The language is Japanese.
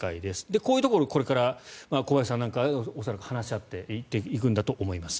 こういうところをこれから小林さんは話し合っていくんだと思います。